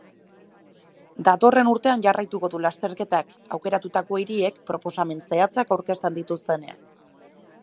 Datorren urtean jarraituko du lasterketak, aukeratutako hiriek proposamen zehatzak aurkezten dituztenean.